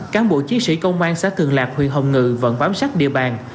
cán bộ chiến sĩ công an xã thường lạc huyện hồng ngự vẫn bám sát địa bàn